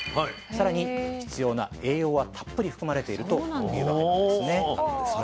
さらに必要な栄養はたっぷり含まれているというわけなんですね。